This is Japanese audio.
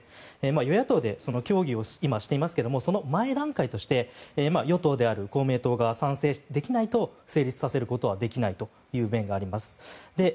与野党で協議を今していますがその前段階として与党である公明党が賛成できないと成立させることはできないという面があります。